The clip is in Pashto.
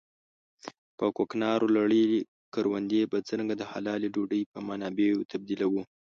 په کوکنارو لړلې کروندې به څرنګه د حلالې ډوډۍ په منابعو تبديلوو.